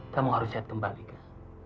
kamu harus sihat kembali kak